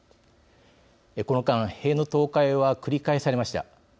この間塀の倒壊は繰り返されました。